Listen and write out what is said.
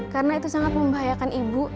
karena itu sangat membahayakan ibu